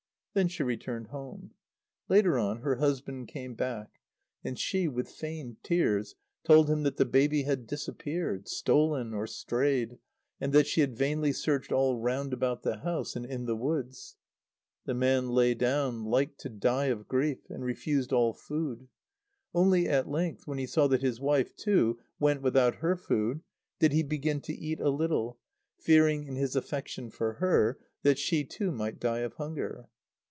Then she returned home. Later on, her husband came back; and she, with feigned tears, told him that the baby had disappeared stolen or strayed, and that she had vainly searched all round about the house and in the woods. The man lay down, like to die of grief, and refused all food. Only at length, when he saw that his wife, too, went without her food, did he begin to eat a little, fearing, in his affection for her, that she too might die of hunger.